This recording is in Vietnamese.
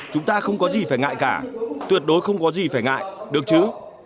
chúng ta không có gì phải ngại cả tuyệt đối không có gì phải ngại được chứ